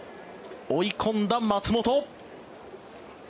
追い込んだ松本。